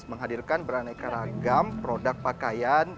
menghadirkan beraneka ragam produk pakaian